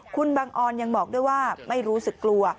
คุณบังออนยังบอกด้วยว่าไม่รู้สึกกลัว